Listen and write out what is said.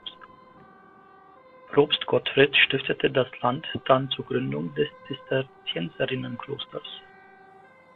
Propst Gottfried stiftete das Land dann zur Gründung des Zisterzienserinnenklosters.